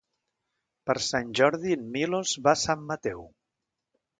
Per Sant Jordi en Milos va a Sant Mateu.